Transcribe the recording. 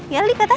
ya liat ke atas